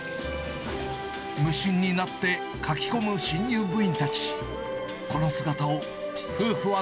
無心になってかき込む新入部員たち。